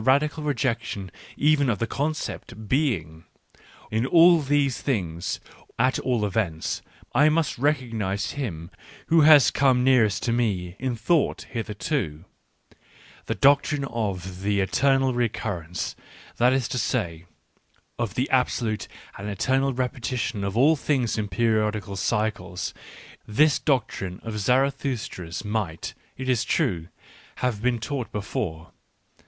radical rejection even of the concept BttHjgf— i n all these th ings, at all events, I must recognise h im who has come nearest to me InThought hitheF to. TEie doctrinFoTIhe^EternaTTtecurrenc^ ^ ^that is to sav. of the absolute and eternal repetition f of all things jp p?riQflfc^) liY*?!?? — this doctrine of Zarathustra's might, it is true, have been taught be fore.